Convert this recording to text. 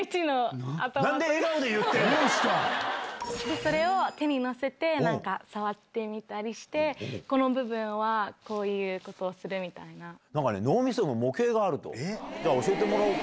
それを手にのせて触ってみたりして「この部分はこういうことをする」みたいな。じゃあ教えてもらおうか。